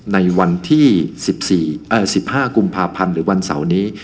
ในวันที่๑๕กุมภาพันธ์หรือวันเสาร์นี้